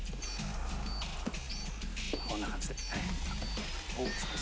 こんな感じで。